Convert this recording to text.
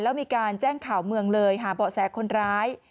แล้วมีการแจ้งข่าวเมืองเลยหาเบาะแสคนร้าย